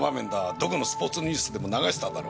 どこのスポーツニュースでも流しただろ。